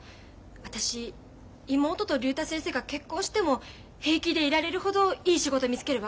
私妹と竜太先生が結婚しても平気でいられるほどいい仕事見つけるわ。